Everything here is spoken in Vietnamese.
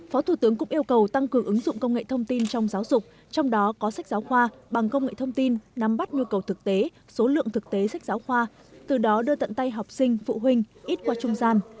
phó thủ tướng cũng yêu cầu tăng cường ứng dụng công nghệ thông tin trong giáo dục trong đó có sách giáo khoa bằng công nghệ thông tin nắm bắt nhu cầu thực tế số lượng thực tế sách giáo khoa từ đó đưa tận tay học sinh phụ huynh ít qua trung gian